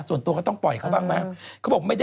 ส่วนตัวก็ต้องปล่อยเขาบ้างนะ